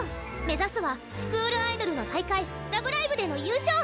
目指すはスクールアイドルの大会「ラブライブ！」での優勝！